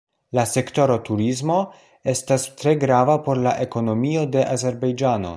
La sektoro turismo estas tre grava por la ekonomio de Azerbajĝano.